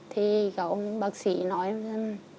thì bác sĩ nói